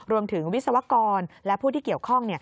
วิศวกรและผู้ที่เกี่ยวข้อง